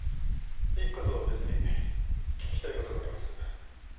一課とは別に聞きたい事があります。